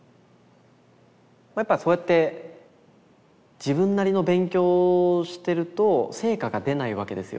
やっぱそうやって自分なりの勉強をしてると成果が出ないわけですよ。